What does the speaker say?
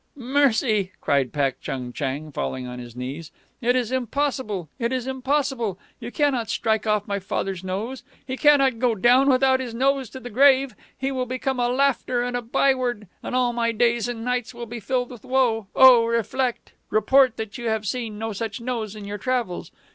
"Mercy!" cried Pak Chung Chang, falling on his knees. "It is impossible! It is impossible! You cannot strike off my father's nose. He cannot go down without his nose to the grave. He will become a laughter and a byword, and all my days and nights will be filled with woe. O reflect! Report that you have seen no such nose in your travels.